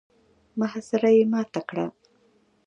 محاصره يې ماته کړه.